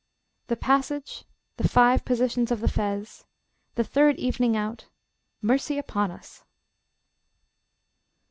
The Passage The Five Positions of the Fez The Third Evening Out Mercy upon us!